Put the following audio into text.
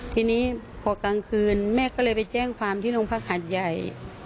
ทีนี้พอกลางคืนแม่ก็เลยไปแจ้งความที่โรงพักหาดใหญ่